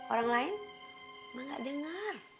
orang lain emang gak denger